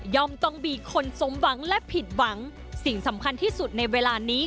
ต้องมีคนสมหวังและผิดหวังสิ่งสำคัญที่สุดในเวลานี้